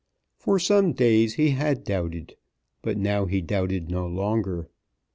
For some days he had doubted, but now he doubted no longer.